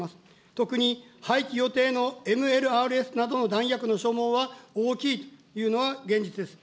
特に、廃棄予定のＭＬＲＳなどの弾薬の消耗は大きいというのが現実です。